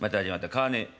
買わねえ」。